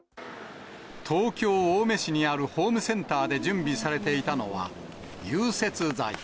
東京・青梅市にあるホームセンターで準備されていたのは、融雪剤。